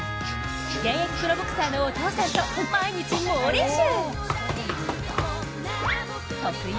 現役プロボクサーのお父さんと毎日猛練習。